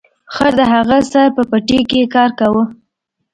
خر د هغه سره په پټي کې کار کاوه.